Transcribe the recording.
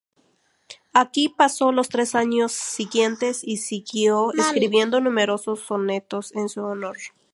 Aquí pasó los tres años siguientes, y siguió escribiendo numerosos sonetos en su honor.